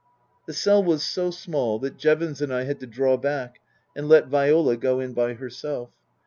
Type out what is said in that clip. The cell was so small that Jevons and I had to draw back and let Viola go in by herself.